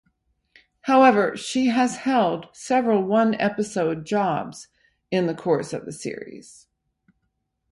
However, she has held several one-episode jobs in the course of the series.